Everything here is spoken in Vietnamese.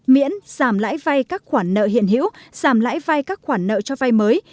miễn giảm lãi vai các khoản nợ hiện hữu giảm lãi vai các khoản nợ cho vai mới